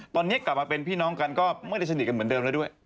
ตอนนี้กลับมาเป็นพี่น้องกันก็ไม่ได้สนิทกันเหมือนเดิมแล้วด้วย